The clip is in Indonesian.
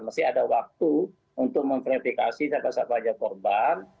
masih ada waktu untuk memverifikasi sampai saat wajah korban